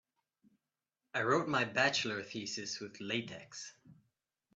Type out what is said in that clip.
I wrote my bachelor thesis with latex.